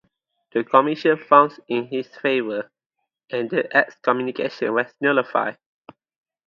The commission found in his favour, and the excommunication was nullified.